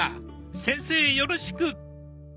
先生よろしく！